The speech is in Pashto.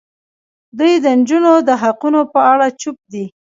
دوی د نجونو د حقونو په اړه چوپ دي.